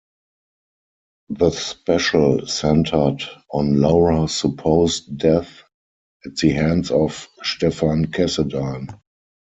The special centered on Laura's supposed death at the hands of Stefan Cassadine.